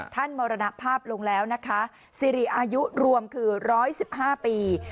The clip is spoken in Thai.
ท่านมรณภาพลงแล้วนะคะสิริอายุรวมคือร้อยสิบห้าปี